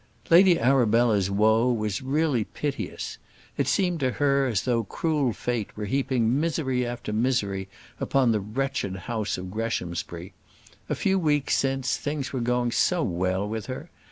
Lady Arabella's woe was really piteous. It seemed to her as though cruel fate were heaping misery after misery upon the wretched house of Greshamsbury. A few weeks since things were going so well with her!